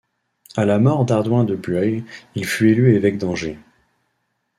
À la mort d'Hardouin de Bueil, il fut élu évêque d'Angers.